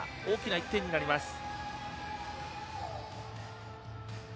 大きな１点になります。